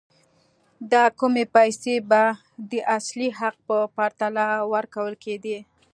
دا کمې پیسې به د اصلي حق په پرتله ورکول کېدې.